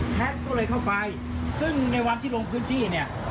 ก็เลยเข้าไปซึ่งในวันที่ลงพื้นที่เนี่ย